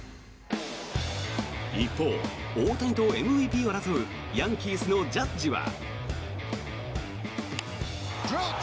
一方、大谷とＭＶＰを争うヤンキースのジャッジは。